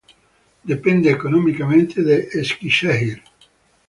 Depende económicamente de Eskişehir.